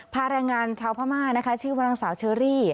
ภารายงานเช้าพม่าชื่อวงง์นัทสาวเชอรี่